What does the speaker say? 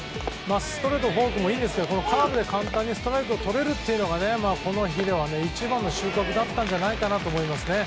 ストレートフォークもいいですがカーブで簡単にストライクをとれるのが、この日の一番の収穫だったんじゃないかなと思います。